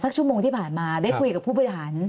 ชั่วโมงที่ผ่านมาได้คุยกับผู้บริหาร